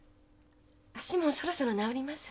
足もそろそろ治ります。